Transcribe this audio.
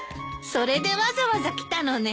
それでわざわざ来たのね。